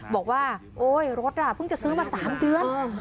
บอกว่าโอ๊ยรถเพิ่งจะซื้อมา๓เดือน